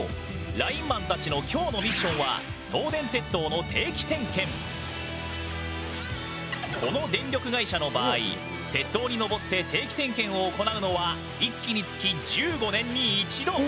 ラインマンたちの今日のミッションはこの電力会社の場合鉄塔にのぼって定期点検を行うのは１基につき１５年に１度！